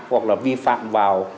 hoặc là vi phạm vào